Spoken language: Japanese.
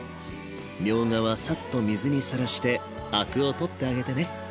みょうがはさっと水にさらしてアクを取ってあげてね。